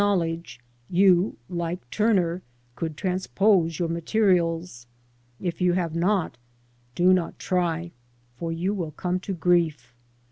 39 knowledge you, like Turner, could transpose your materials. If you have not, do not try, for you will come to grief.